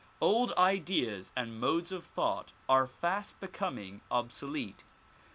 Old ideas and modes of thought are fast becom ing obsolete.